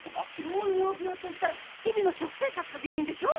糖尿病といったら日々の食生活が原因でしょ？